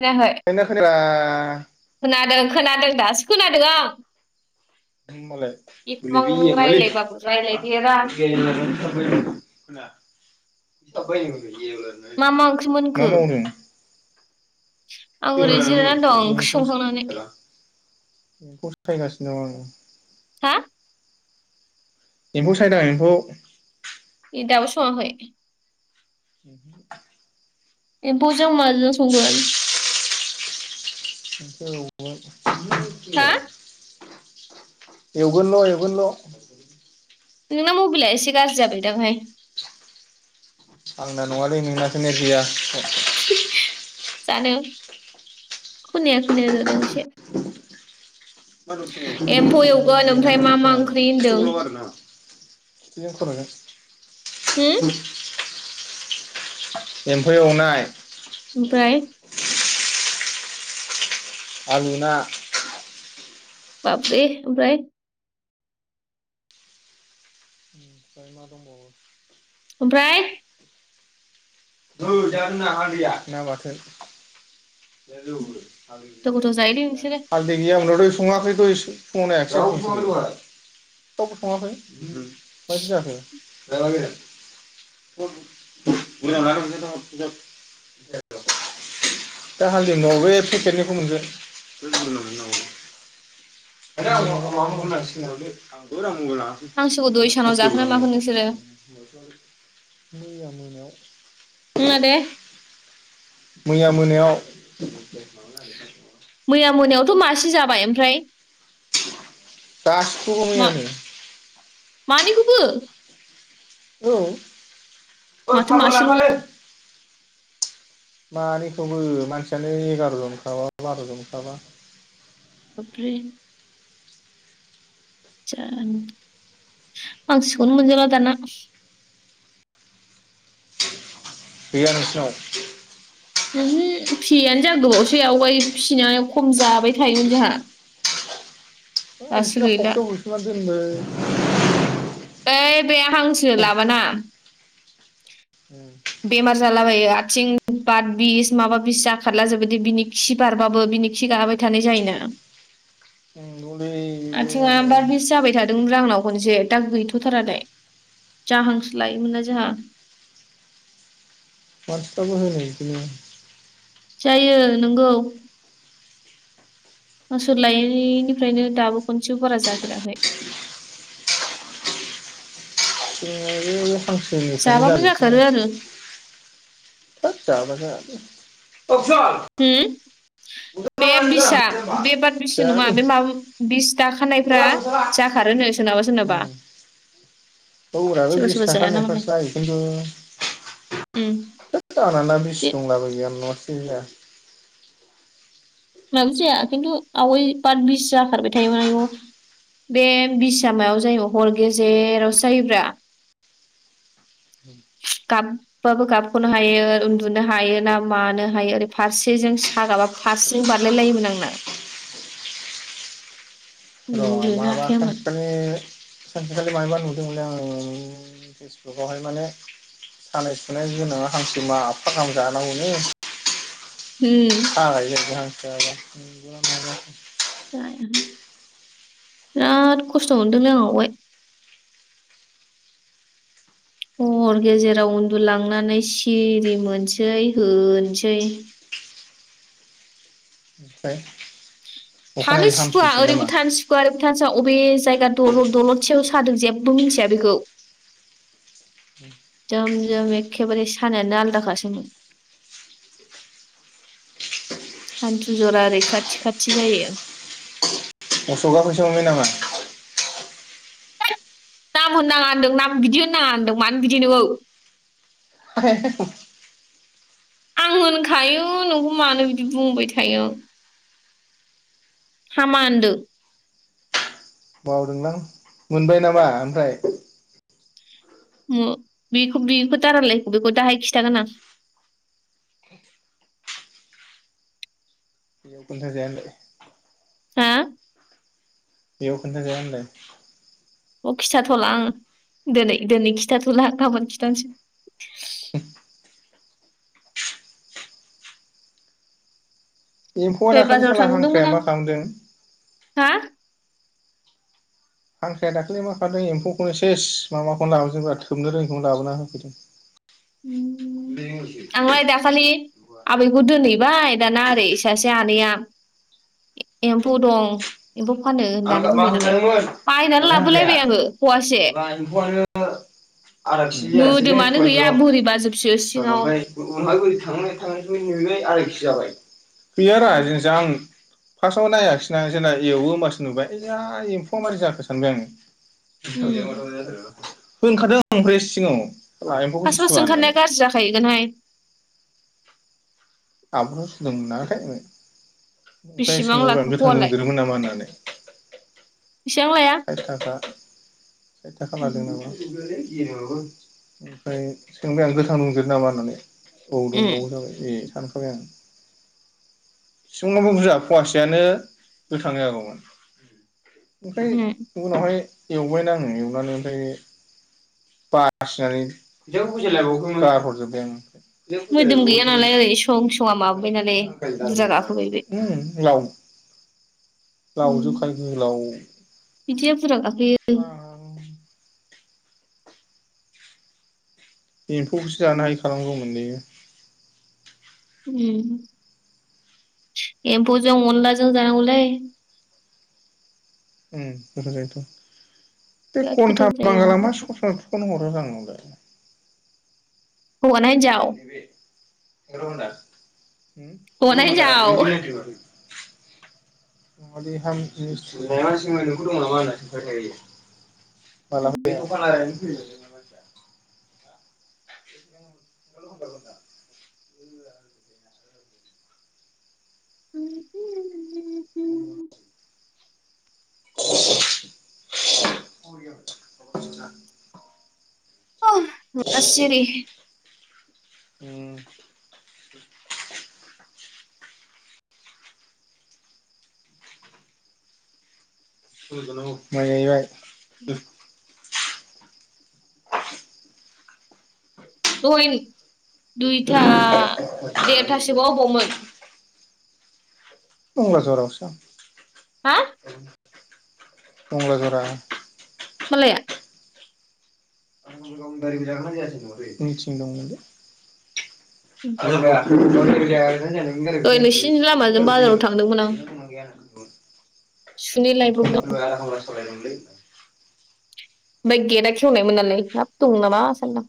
खोनायाखै [unintelligible] खोनारा? खोनादों खोनादों दासो खोनादों आं। एसेबां रायज्लायबाबो रायज्लायफेरा [unintelligible] [unintelligible] मा मा ओंख्रि मोनखो? मा मावदों आं ओरै जिरनानै दं ओंख्रि एम्फौ संखांनानै। [unintelligible] सायगासिनो दङ आङो। हा एम्फौ सायदां एम्फौ। ए दाबो सङाखै? [inaudible] एम्फौजों माजों संगोन? [inaudible] हा [inaudible] एवगोनल' एवगोनल'। नोंना मबेला एसे गाज्रि जाबाय दांहाय। आंना नङालै नोंनासो नेट गैया। जानो खोनाया खोनाया जादों एसे। एम्फौ एवगोन ओमफ्राय मा मा ओंख्रि [unintelligible] होनदों [unintelligible] [inaudible] एम्फौ एवनाय। [inaudible] ओमफ्राय आलु ना। बाबरे ओमफ्राय? [inaudible] ओमफ्राय? [unintelligible] ना बाथोन। गोथाव [inaudible] गोथाव जायोलै नोंसोरो [unintelligible] [unintelligible] [unintelligible] [unintelligible] हांसोखौ दहाय सानाव जाखोना माखो नोंसोरो [unintelligible] मैया मोनायाव। [unintelligible] मैया मोनायाव मैया मोनायावथ' मासे जाबाय ओमफ्राय। गासैखौबो मैयानो मानैखोबो औ माथो मासेल' [unintelligible] मानैखौबो मानसियानो एगार'जनखाबा बार'जनखाबा। साब्रै [unintelligible] हांसोखौनो मोनजाला दाना गैया नोंसिनाव ओमहो फिसियैयानो जा गोबावसै आवगाय फिसिना खम जाबाय थायोमोन जोंहा। है दासो नोंसिना गैला। फख्रियाव हैफिनना ओइ बे हांसो लाबाना दोनबाय बेमार जालाबायो आ आथिं बाथ बिस माबा बिस जाखारला जोबोदि बिनि खि बारबाबो बिनि खि गाबाय थानाय जायोनो। नंगौलै। बेबो आथिङा माने बार बिस जाबाय थादोंमोनब्रा आंनाव खनसे दा गैथ'थारालाय जा हांसो लायोमोन ना जोंहा। [unintelligible] जायो नंगौ गावसोर लायैनिफ्रायनो दाबो खनसेबो बारा जाफेराखै। [unintelligible] हांसोनिफ्रायनो जाबाबो जाजोबखोना जाखारो आरो [unintelligible] जाबा जायालै होम बे बिसआ बे बार बिस नङा जायालै बे माबा बिस दाखानायफ्रा जाखारोनो सोरनाबा सोरनाबा औराबो सोरबा बिस सोरबा जायाना मालाय थाखानायफ्रासो जायो खिन्थु उम बे [unintelligible] [unintelligible] माबो जाया खिन्थु आवाय बात बिस जाखारबाय थायोमोन आयु ।बे बिसआ मायाव जायो हर गेजेरावसो जायोब्रा। गाबबाबो गाबख'नो हायो उन्दुनो हायो ना मानो हायो ओरै फारसेजों सागाबा फारसेजों बारलाय लायोमोन आंना। अ उन्दुनो माबा हाखायामोन सानसेखालि सानसेखालि मायबा नुदोंमोनलै आङो फेसबुकावहाय माने सानाय सुनाय गोनाङा हांसो मा आफफा गाहाम जानांगौनो। उम [unintelligible] [unintelligible] नंगौ ना माबा जाया हाय बिराद खस्थ' मोनदोंनो आवगाय हर गेजेराव उन्दुलांनानै सिरि मोनसै होनोसै ओमफाय थानो सुखुवा ओरैबो थानो सुखुवा ओरैबो थानो सुवा उल्थासो अबे जायगा दलद दलदसेयाव सादों जेबो मिथिया बेखौ। जोम जोम एखेबारे सानायानो आलादाखासोमोन। हान्थु ज'रा ओरै खाथि खाथि जायो। असखा फैसा मोनबाय नामा? नाम होननाङा होनदों नाम बिदि होननाङा होनदों मानो बिदि नोंङो [unintelligible] आं होनखायो नोंखौ मानो बिदि बुंबाय थायो। हामा होन्दो। बावदोंलां मोनबाय नामा ओमफ्राय? उम बेखौ बेखौ दारायलाय बेखौ दाहाय खिथागोन आं। बेयाव खोनथा जाया होनलाय। हा बेयाव खोन्था जाया होनलाय। अ खिथाथ'ला आं दिनै दिनै खिथाथ'ला गाबोन खिथानोसै। एम्फौआ दहाय दाखालि बाजाराव साला थांदोंमोन हांख्राया आं मा खालामदों। हा हांख्राया दाखालि मा खालामदों एम्फौखौनो सेस माबाखौनो लाबोदोंब्रा थोबनो रोङिखौनो लाबोना होफैदों। उम बे आंलाय दाखालि आबैखौ दोनहैबाय दाना ओरै सासे आनैया एम्फौ दं। एम्फौ फानो आं होननानै मा बुंबाय नालाय होखादोंमोन बायनानै माबाया हांख्राया लाबोलायबाय आङो फवासे माबा एम्फौआनो आदा केजि जायासैलै मोदोमानो फवासेल' गैया बोरिबाजोबसो सिङाव [unintelligible] गैयारा जिनिसा आं फार्स्टआव नायाखासैना जेला एवो होमबा नुबाय जा एम्फौआ मारै जाखो सानबाय आङो। उम [unintelligible] [unintelligible] सिगाङाव साला एम्फौखौसो फास्ट फास्ट सुवा होननानै ओंखारनाया गाज्रि जाखाहैगोनहाय। [unintelligible] ओमफ्राय बेसेबां सोंबावबाय लाखो आं गोथां फवालाय दंदेरोमोन नामा होननानै बेसेबां लाया साइथ थाखा साइथ थाखा उम लादों नामा? ओमफ्राय सोंबाय आं गोथां दंदेरो नामा होननानै? औ दंबावो जाबाय ए सान [unintelligible] ओमफ्राय। उम ओमफ्राय एवबायना आङो एवनानै ओमफ्राय बासिनानै गाहरजोबबाय मोदोम गैया आङो नालाय ओरै सं सङा माबाबाय नालाय बुरजा गाखोबाय बे । [unintelligible] उम लावजोबखाबाय गोलाव। बिदिया बुरजा गाखोयो एम्फौखौसो जानो हाय खालामांगौमोनलै इयो। उम। एमफौजों अनलाजों जानांगौलै। उम गोथाव जायोथ'। बे बिराद घन्टा गोथाव जायो बांगाला मा ओमफ्राय सबसमाय फन हरो आंनावलाय। न [inaudible] [inaudible] ब [inaudible] [unintelligible] हौवाना हिनजाव हौवाना हिनजाव [unintelligible] [inaudible] [unintelligible] [unintelligible] [inaudible] मा सिरि? उम। [inaudible] मोनैबाय [unintelligible] दहयनि दुइथा देथासोबाव मंगलाजरावसो अबावमोन? अब्ला सावरायसै। हा? टंला जरा। माबे [unintelligible] [unintelligible] [unintelligible] दहाय [unintelligible] नोंसिनि लामाजों बाजाराव थांदोंमोन आं [unintelligible] सुनै लायब्रबदों [unintelligible] लायलै ओमफ्राय गेड खेवनायमोन नालाय, हाब दं नामा सान्दो आं।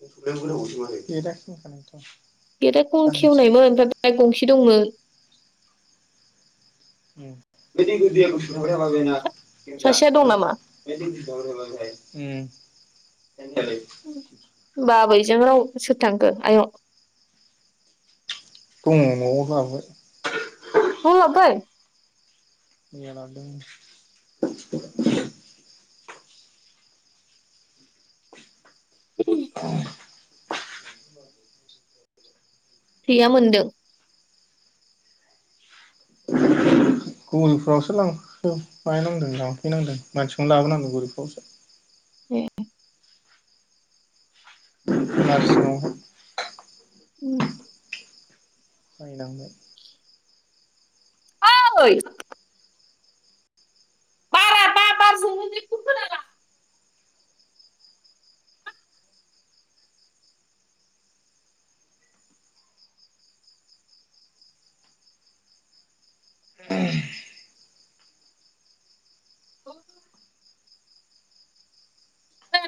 [unintelligible] गेडा गं सानसे खेवनायमोन ओमफ्राय बे गंसे दंमोन। बेदिखौदेस ओमफ्राय माबाना। सासेया दं नामा [unintelligible] [unintelligible] बिजों राव सोर थांखो आयं? [unintelligible] [unintelligible] [inaudible] [inaudible] [unintelligible] थैया मोनदों गुबुनफ्रावसो लांफै नांदों लांफैनांदों मानसिखौनो लाङामोन आं गुबुनखौसो ए [unintelligible] उम माय लांंनो ओइ बारा बा बारजोंनो जेबो खोनानो औ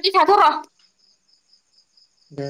यै थाथ'र दे